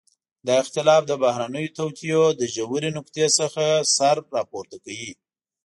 دا اختلاف د بهرنيو توطئو له ژورې نقطې څخه سر راپورته کوي.